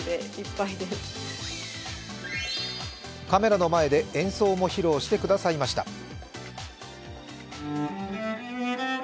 カメラの前で演奏も披露してくださいました。